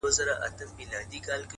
پلار او مور خپلوان یې ټوله په غصه وي،